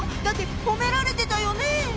だって褒められてたよね？